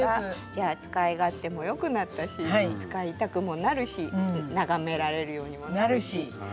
じゃあ使い勝手も良くなったし使いたくもなるし眺められるようにもなるし。